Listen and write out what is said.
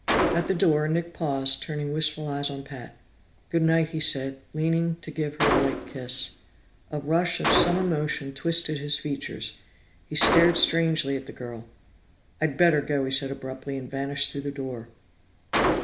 At the door Nick paused, turning wistful eyes on Pat. "Good night," he said, leaning to give her a light kiss. A rush of some emotion twisted his features; he stared strangely at the girl. "I'd better go," he said abruptly, and vanished through the door.